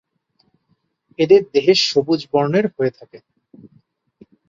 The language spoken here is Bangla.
এদের দেহের সবুজ বর্ণের হয়ে থাকে।